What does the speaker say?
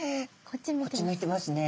こっち向いてますね。